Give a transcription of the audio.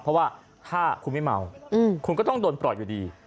เพราะว่าถ้าคุณไม่เมาคุณก็ต้องโดนปล่อยอยู่ดี